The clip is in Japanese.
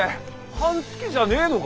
半月じゃねえのが？